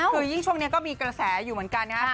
คือยิ่งช่วงนี้ก็มีกระแสอยู่เหมือนกันนะครับ